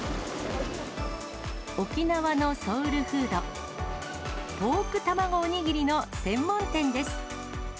沖縄のソウルフード、ポークたまごおにぎりの専門店です。